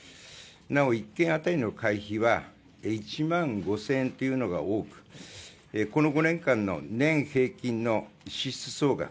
なお１件当たりの会費は１万５０００円というのが多くこの５年間の年平均の支出総額